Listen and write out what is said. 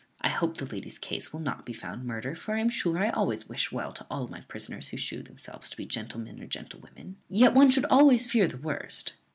I hope the lady's case will not be found murder; for I am sure I always wish well to all my prisoners who shew themselves to be gentlemen or gentlewomen; yet one should always fear the worst."